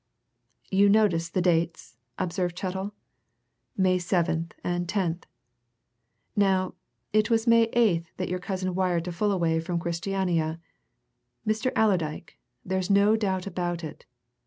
"You notice the dates?" observed Chettle. "May 7th and 10th. Now, it was on May 8th that your cousin wired to Fullaway from Christiania, Mr. Allerdyke there's no doubt about it!